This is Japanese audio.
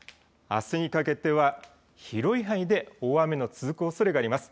あすにかけては広い範囲で大雨の続くおそれがあります。